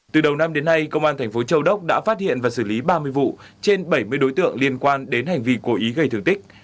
từ đầu năm đến nay công an thành phố châu đốc đã phát hiện và xử lý ba mươi vụ trên bảy mươi đối tượng liên quan đến hành vi cố ý gây thương tích